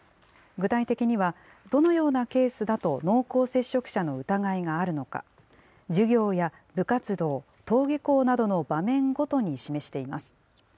具体的には、どのようなケースだと濃厚接触者の疑いがあるのか、授業や部活動、登下校などの場面ごとに示しています。